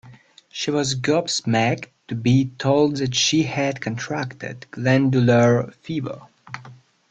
She was gobsmacked to be told that she had contracted glandular fever